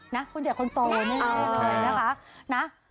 นะคนเด็กคนโตนี่เลยนะคะ